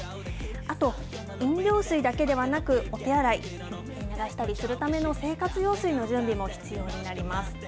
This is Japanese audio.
あと、飲料水だけではなく、お手洗い、生活用水の準備も必要になります。